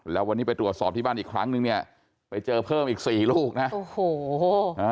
แล้ววันนี้ไปตรวจสอบที่บ้านอีกครั้งนึงเนี่ยไปเจอเพิ่มอีกสี่ลูกนะโอ้โหอ่า